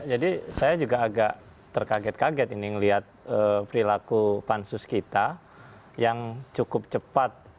jadi saya juga agak terkaget kaget ini melihat perilaku pansus kita yang cukup cepat